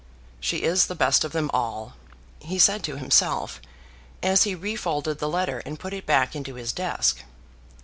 "She is the best of them all," he said to himself, as he refolded the letter and put it back into his desk.